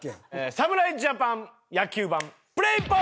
侍ジャパン野球盤プレイボール！